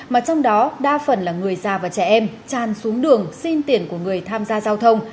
mà trong đó đa phần là người già và trẻ em tràn xuống đường xin tiền của người tham gia giao thông